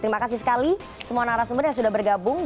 terima kasih sekali semua narasumber yang sudah bergabung